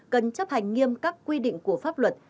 cần chấp hành nghiêm các quy định của pháp luật